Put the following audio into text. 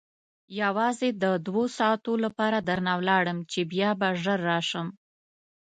یوازې د دوو ساعتو لپاره درنه ولاړم چې بیا به ژر راشم.